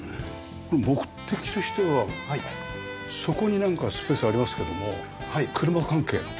これ目的としてはそこになんかスペースありますけども車関係の？